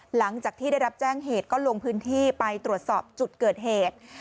หลังจากที่ได้รับแจ้งเหตุก็ลงพื้นที่ไปตรวจสอบจุดเกิดเหตุ